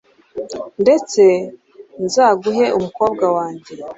ndetse nzaguhe umukobwa wanjye